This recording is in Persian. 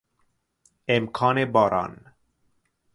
امکان باران